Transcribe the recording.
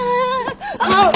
あっ！